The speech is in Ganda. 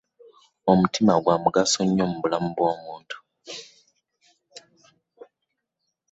Omutima gwa mugaso nnyo mu bulamu bw'omuntu.